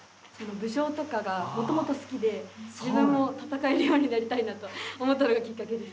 武将とかがもともと好きで自分も戦えるようになりたいなと思ったのがきっかけです。